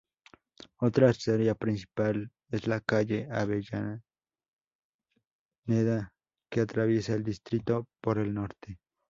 Otra arteria principal es la calle Avellaneda que atraviesa el distrito por el Norte.